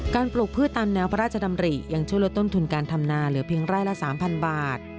ปลูกพืชตามแนวพระราชดำริยังช่วยลดต้นทุนการทำนาเหลือเพียงไร่ละ๓๐๐บาท